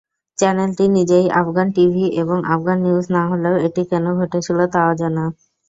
চ্যানেলটি নিজেই Afghan TV এবং আফগান নিউজ না হলেও এটি কেন ঘটেছিল তা অজানা।